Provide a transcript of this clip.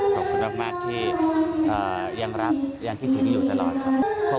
ขอบคุณมากที่ยังรักยังคิดถึงอยู่ตลอดครับ